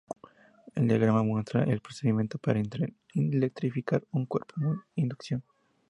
El diagrama muestra el procedimiento para electrificar un cuerpo por inducción.